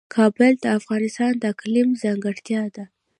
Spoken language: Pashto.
کابل د افغانستان د اقلیم ځانګړتیا ده.